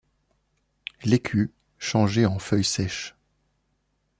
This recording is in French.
L’écu changé en feuille sèche